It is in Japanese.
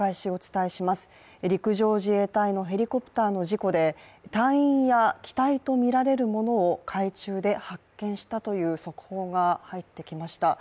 陸上自衛隊のヘリコプターの事故で隊員や機体とみられるものを海中で発見したという速報が入ってきました。